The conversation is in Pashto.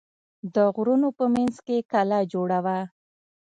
د غرونو په منځ کې کلا جوړه وه.